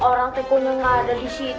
orang teko nya gak ada di situ